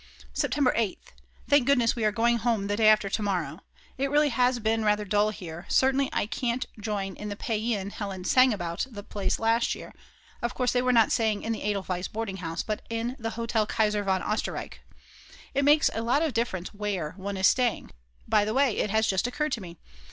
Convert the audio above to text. September 8th. Thank goodness we are going home the day after to morrow. It really has been rather dull here, certainly I can't join in the paean Hella sang about the place last year; of course they were not staying in the Edelweiss boarding house but in the Hotel Kaiser von Oesterreich. It makes a lot of difference where one is staying. By the way, it has just occurred to me.